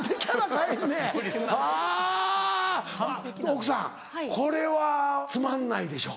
奥さんこれはつまんないでしょ？